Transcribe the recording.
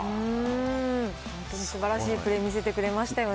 本当にすばらしいプレーを見せてくれましたよね。